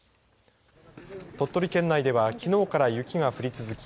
鳥取県内ではきのうから雪が降り続き